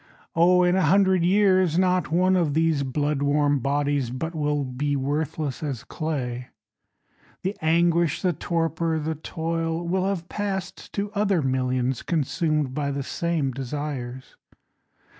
Oh in a hundred years Not one of these blood warm bodies But will be worthless as clay. The anguish, the torpor, the toil Will have passed to other millions Consumed by the same desires.